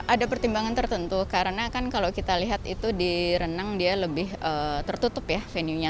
ada pertimbangan tertentu karena kan kalau kita lihat itu di renang dia lebih tertutup ya venue nya